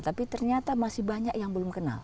tapi ternyata masih banyak yang belum kenal